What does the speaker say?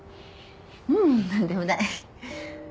ううん何でもない。